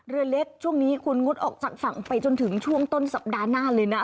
เรือเล็กช่วงนี้คุณงดออกจากฝั่งไปจนถึงช่วงต้นสัปดาห์หน้าเลยนะ